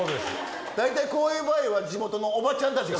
大体こういう場合は地元のおばちゃんたちが。